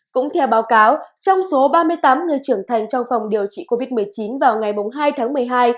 cũng theo báo cáo trong số ba mươi tám người trưởng thành trong phòng điều trị covid một mươi chín vào ngày hai tháng một mươi hai